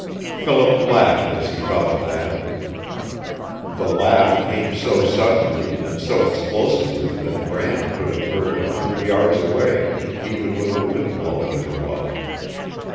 Philip laughed as he thought of that. The laugh came so suddenly and so explosively that Bram could have heard it a hundred yards away, even with the wind blowing as it was.